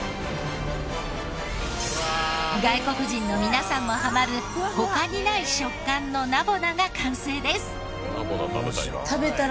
外国人の皆さんもハマる他にない食感のナボナが完成です！